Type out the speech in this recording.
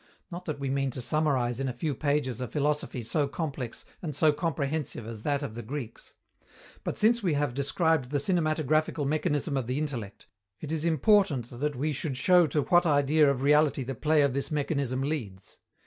Not that we mean to summarize in a few pages a philosophy so complex and so comprehensive as that of the Greeks. But, since we have described the cinematographical mechanism of the intellect, it is important that we should show to what idea of reality the play of this mechanism leads.